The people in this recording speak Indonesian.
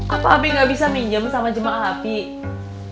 apa abie gak bisa minjem sama jemaah abie